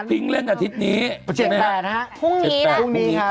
ฟิงเล่นอาทิตย์นี้ประเทศไหนครับ๗๘นะครับ